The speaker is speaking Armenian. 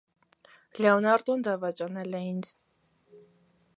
Լեոնարդոն դավաճանել է ինձ։